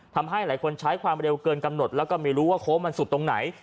ทำให้หลายคนใช้ความเร็วเกินกำหนดแล้วก็ไม่รู้ว่าโค้งมันสุดตรงไหน